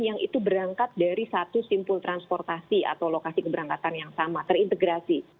yang itu berangkat dari satu simpul transportasi atau lokasi keberangkatan yang sama terintegrasi